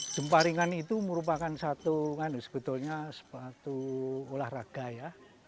jemparingan itu merupakan sebuah olahraga